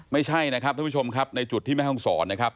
ไม่ใช่นะครับท่านผู้ชมครับในจุดที่แม่ห้องศรนะครับ